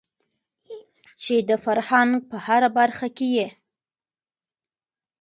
چې د فرهنګ په هره برخه کې يې